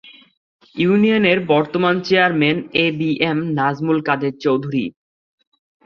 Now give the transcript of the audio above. ইউনিয়নের বর্তমান chairman A B M Nazmul Kader Chowdhury.